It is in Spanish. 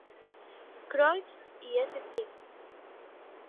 Croix y St.